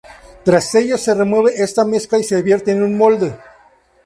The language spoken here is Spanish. Tras ello se remueve esta mezcla y se vierte en un molde.